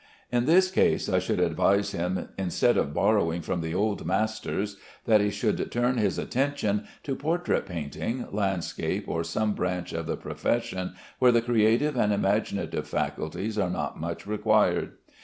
In this case I should advise him, instead of borrowing from the old masters, that he should turn his attention to portrait painting, landscape, or some branch of the profession where the creative and imaginative faculties are not much required.